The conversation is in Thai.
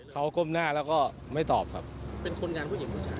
เขาก้มหน้าแล้วก็ไม่ตอบครับเป็นคนงานผู้หญิงผู้ชาย